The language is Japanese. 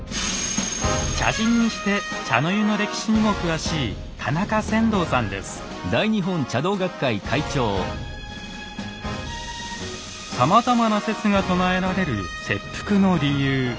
茶人にして茶の湯の歴史にも詳しいさまざまな説が唱えられる切腹の理由。